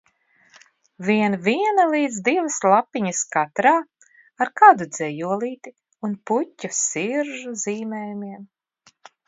Vien viena līdz divas lapiņas katrā, ar kādu dzejolīti un puķu, siržu zīmējumiem.